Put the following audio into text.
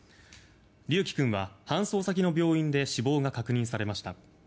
琉葵君は搬送先の病院で死亡が確認されました。